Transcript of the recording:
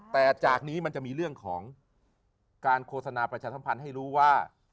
แต่จากนี้มันจะมีเรื่องของการโฆษณาประชาสัมพันธ์ให้รู้ว่า